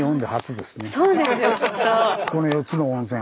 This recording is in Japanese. この４つの温泉